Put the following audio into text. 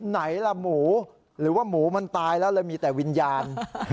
ไหนล่ะหมูหรือว่าหมูมันตายแล้วเลยมีแต่วิญญาณ